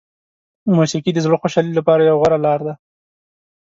موسیقي د زړه خوشحالي لپاره یوه غوره لاره ده.